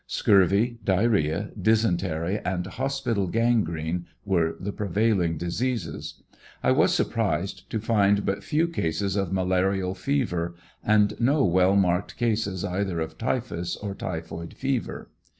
Scurvy, diarrhea, dysentary, and hospital gangrene were the pre vailing diseases. I was surprised to find but few cases of malarial BEBEL TESTIMONY, 177 fever, and no well marked cases either of typhus or typhoid fever.